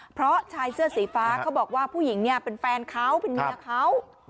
เพราะชายเสื้อสีฟ้าเขาบอกว่าผู้หญิงเนี่ยเป็นแฟนเขาเป็นเมียเขา